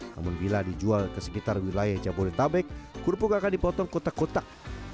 namun bila dijual ke sekitar wilayah jabodetabek kerupuk akan dipotong kotak kotak